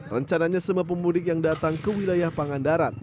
rencananya semua pemudik yang datang ke wilayah pangandaran